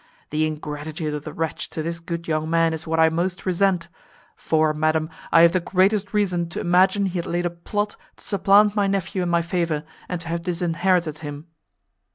The ingratitude of the wretch to this good young man is what I most resent; for, madam, I have the greatest reason to imagine he had laid a plot to supplant my nephew in my favour, and to have disinherited him."